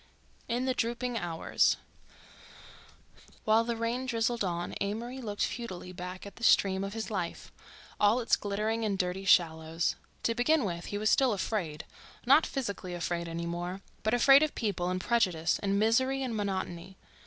IN THE DROOPING HOURS While the rain drizzled on Amory looked futilely back at the stream of his life, all its glitterings and dirty shallows. To begin with, he was still afraid—not physically afraid any more, but afraid of people and prejudice and misery and monotony.